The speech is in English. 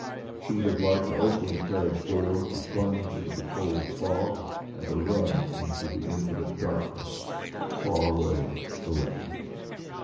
She would have liked to open the carriage door, to plunge into the cold fog, and to run into the infinite darkness, far away for ever.